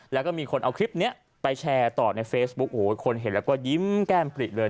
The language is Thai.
แล้วก็มีคนเอาคลิปนี้ไปแชร์ต่อในเฟซบุ๊คโอ้โหคนเห็นแล้วก็ยิ้มแก้มผลิเลย